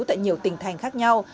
tại nhiều tỉnh thành khác nhau